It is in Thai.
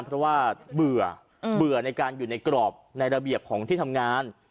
เพราะว่าเบื่อในการอยู่ในกรอบในระเบียบของที่ทำงาน